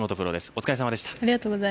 お疲れ様でした。